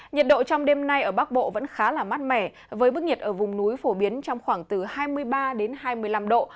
nhiệt độ trong đêm nay ở bắc bộ vẫn khá là mát mẻ với bức nhiệt ở vùng núi phổ biến trong khoảng từ hai mươi ba đến hai mươi năm độ